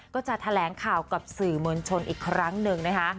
ก็จะแถลงข่าวกับสื่อมวลชนอีกครั้งหนึ่งนะคะ